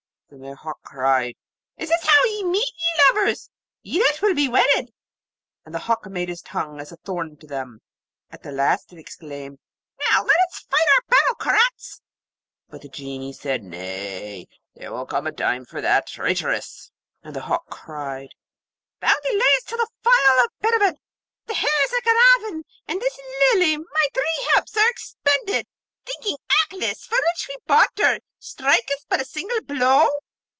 Then the hawk cried, 'Is this how ye meet, ye lovers, ye that will be wedded?' And the hawk made his tongue as a thorn to them. At the last it exclaimed, 'Now let us fight our battle, Karaz!' But the Genie said, 'Nay, there will come a time for that, traitress!' The hawk cried, 'Thou delayest, till the phial of Paravid, the hairs of Garraveen, and this Lily, my three helps, are expended, thinking Aklis, for which we barter them, striketh but a single blow?